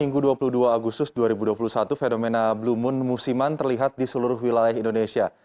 minggu dua puluh dua agustus dua ribu dua puluh satu fenomena blue moon musiman terlihat di seluruh wilayah indonesia